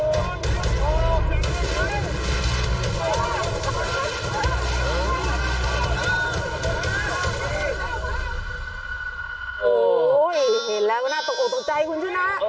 โอ้โหเห็นแล้วก็น่าตกออกตกใจคุณชนะ